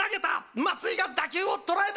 松井が打球を捉えた！